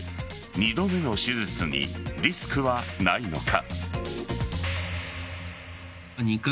２度目の手術にリスクはないのか。